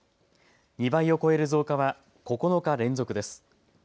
２倍を超える増加は９日連続です。